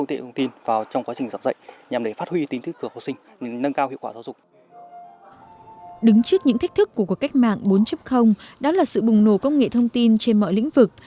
đứng trước những thách thức của cuộc cách mạng bốn đó là sự bùng nổ công nghệ thông tin trên mọi lĩnh vực